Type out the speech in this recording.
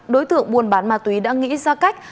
đối tượng buôn bán ma túy đã nghĩ ra cách